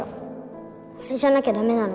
あれじゃなきゃ駄目なの。